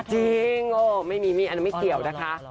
จริงไม่มีมีดอันนั้นไม่เกี่ยวนะคะ